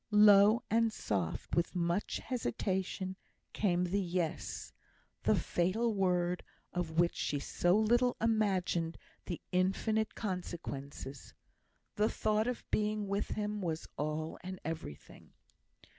Low and soft, with much hesitation, came the "Yes;" the fatal word of which she so little imagined the infinite consequences. The thought of being with him was all and everything.